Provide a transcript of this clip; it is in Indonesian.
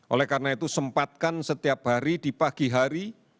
oleh karena itu sempatkan setiap hari di pagi hari